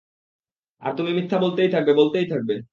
আর তুমি মিথ্যা বলতেই থাকবে, বলতেই থাকবে।